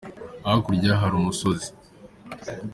hakurya hari umusozi.